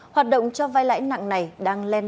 hoạt động cho vay lãi nặng này đang len lỏi